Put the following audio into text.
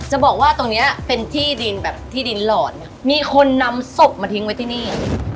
จะบอกว่าตรงเนี้ยเป็นที่ดินแบบที่ดินหลอดเนี่ยมีคนนำศพมาทิ้งไว้ที่นี่